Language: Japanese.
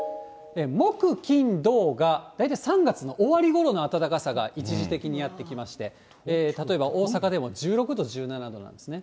木、金、土が大体３月の終わりごろの暖かさが一時的にやって来まして、例えば大阪でも１６度、１７度なんですね。